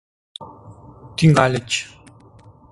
Тӱҥальыч...